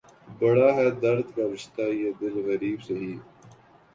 بڑا ہے درد کا رشتہ یہ دل غریب سہی